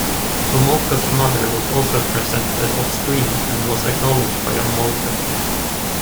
Homolka's mother was also present but off-screen, and was acknowledged by Homolka.